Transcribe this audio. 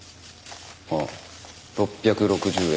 ああ６６０円。